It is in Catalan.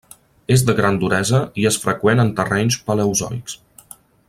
És de gran duresa i és freqüent en terrenys paleozoics.